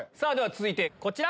続いてこちら。